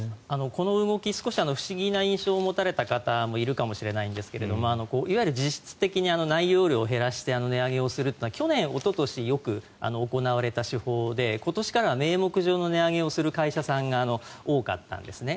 この動き、少し不思議な印象を持たれた方いるかもしれないんですがいわゆる実質的に内容量を減らして値上げをするというのは去年おととしよく行われた手法で今年からは名目上の値上げをする会社さんが多かったんですね。